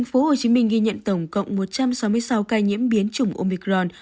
tp hcm ghi nhận tổng cộng một trăm sáu mươi sáu ca nhiễm biến chủng omicron